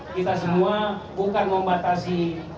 kita semua bukan membatasi